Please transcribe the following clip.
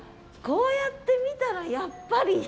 こうやって見たらやっぱり。